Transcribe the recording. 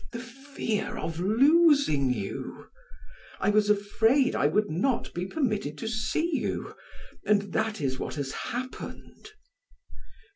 The fear of losing you; I was afraid I would not be permitted to see you, and that is what has happened.